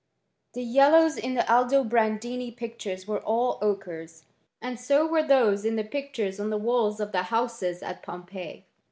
The yellows in the Aldo brandini pictures were all ochres, and so were those in the pictures on the walls of the houses at Pompeii.